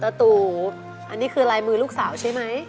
ตู่อันนี้คือลายมือลูกสาวใช่ไหม